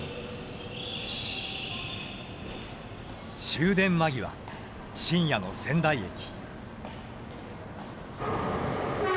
終電間際深夜の仙台駅。